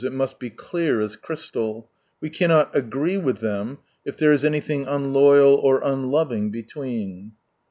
It must be " clear as crystal." We can not " agree " with them, if there is anything unloyal or unloving between.